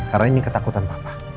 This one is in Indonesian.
karena ini ketakutan papa